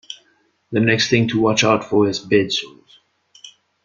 The next thing to watch out for is bed sores.